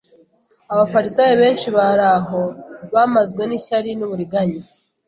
Abafarisayo benshi bari aho, bamazwe n'ishyari n'uburiganya,